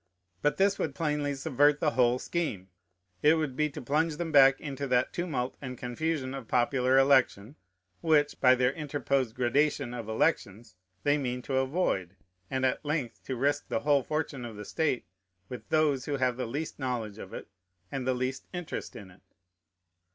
But this would plainly subvert the whole scheme. It would be to plunge them back into that tumult and confusion of popular election, which, by their interposed gradation of elections, they mean to avoid, and at length to risk the whole fortune of the state with those who have the least knowledge of it and the least interest in it.